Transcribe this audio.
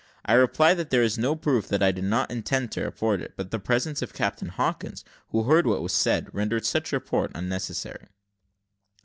I reply, that there is no proof that I did not intend to report it; but the presence of Captain Hawkins, who heard what was said, rendered such report unnecessary.